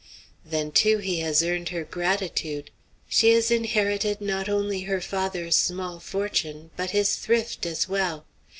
Then, too, he has earned her gratitude. She has inherited not only her father's small fortune, but his thrift as well.